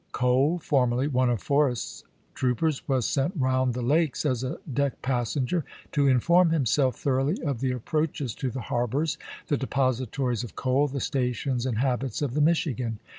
Cole, formerly one of Forrest's troopers, was sent round the lakes as a deck passenger to in form himself thoroughly of the approaches to the harbors, the depositories of coal, the stations and habits of the Michigan.